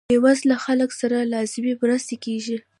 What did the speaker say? بې وزله خلکو سره لازمې مرستې کیږي.